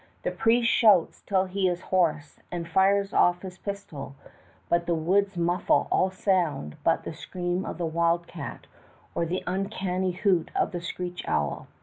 The priest shouts till he is hoarse and fires off his pistol; but the woods muffle all sound but the scream of the wild cat or the uncanny hoot of the screech owl.